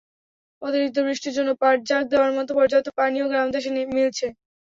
অতিরিক্ত বৃষ্টির জন্য পাট জাগ দেওয়ার মতো পর্যাপ্ত পানিও গ্রামদেশে মিলছে।